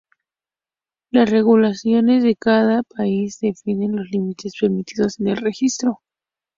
Las regulaciones de cada país definen los límites permitidos en el registro.